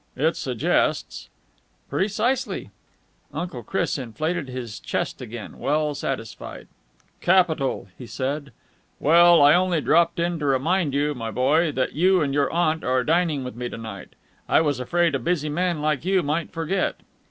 "It suggests...." "Precisely." Uncle Chris inflated his chest again, well satisfied. "Capital!" he said. "Well, I only dropped in to remind you, my boy, that you and your aunt are dining with me to night. I was afraid a busy man like you might forget."